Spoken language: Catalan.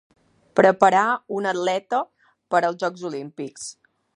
Preparar un atleta per als Jocs Olímpics.